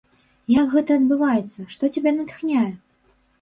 Як гэта адбываецца, што цябе натхняе?